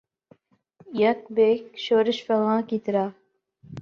یک بیک شورش فغاں کی طرح